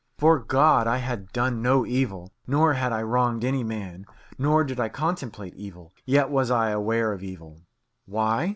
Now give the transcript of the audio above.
'Fore God! I had done no evil, nor had I wronged any man, nor did I contemplate evil; yet was I aware of evil. Why?